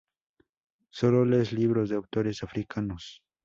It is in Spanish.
solo lees libros de autores africanos